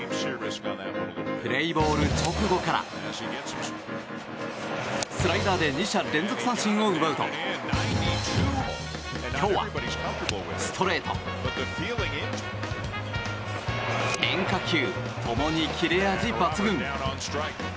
プレーボール直後からスライダーで２者連続三振を奪うと今日はストレート、変化球共に切れ味抜群！